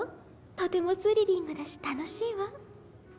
とてもスリリングだし楽しいわ。